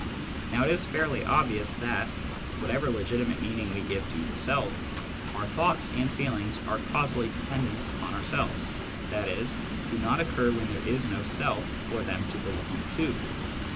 Now it is fairly obvious that, whatever legitimate meaning we give to the Self, our thoughts and feelings are causally dependent upon ourselves, i.e. do not occur when there is no Self for them to belong to.